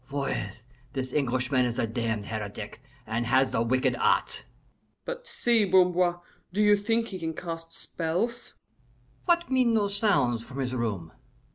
Voyez, this Englishman is a damned heretic, and has the wicked arts." "But see, Bamboir, do you think he can cast spells?" "What mean those sounds from his room?"